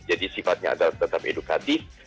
jadi sifatnya adalah tetap edukatif